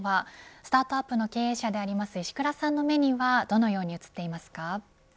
スタートアップの経営者であります石倉さんの目にはどのように映っていますか。